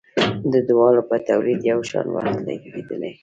د دواړو په تولید یو شان وخت لګیدلی.